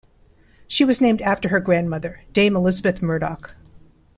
She was named after her grandmother, Dame Elisabeth Murdoch.